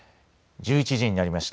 １１時になりました。